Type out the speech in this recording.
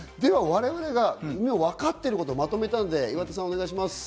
我々がわかってることをまとめたので岩田さん、お願いします。